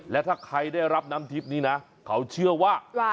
และถ้าใครได้รับน้ำทิพย์นี้นะเขาเชื่อว่า